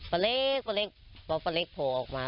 ป้าเล็กป้าเล็กพอป้าเล็กโผล่ออกมา